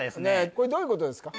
これどういうことですか？